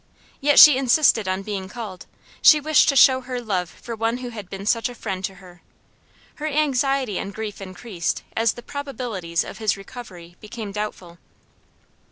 Yet she insisted on being called; she wished to show her love for one who had been such a friend to her. Her anxiety and grief increased as the probabilities of his recovery became doubtful.